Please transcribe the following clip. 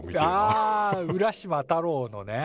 あ「浦島太郎」のね。